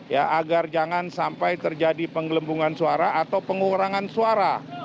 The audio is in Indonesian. ya agar jangan sampai terjadi penggelembungan suara atau pengurangan suara